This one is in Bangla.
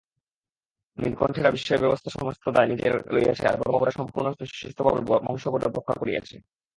নীলকণ্ঠেরা বিষয়ব্যবস্থার সমস্ত দায় নিজেরা লইয়াছে আর বড়োবাবুরা সম্পূর্ণ নিশ্চেষ্টভাবে বংশগৌরব রক্ষা করিয়াছে।